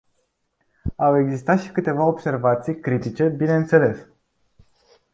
Au existat și câteva observații critice, bineînțeles.